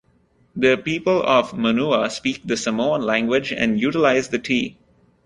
The people of Manua speak the Samoan language and utilize the "t".